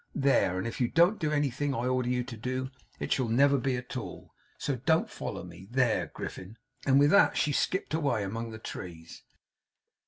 There! And if you don't do everything I order you to do, it shall never be at all. So don't follow me. There, Griffin!' And with that, she skipped away, among the trees.